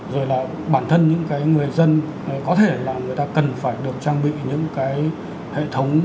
rồi là bản thân những cái người dân có thể là người ta cần phải được trang bị những cái hệ thống